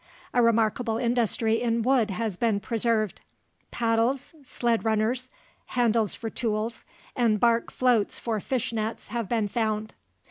A remarkable industry in wood has been preserved. Paddles, sled runners, handles for tools, and bark floats for fish nets have been found.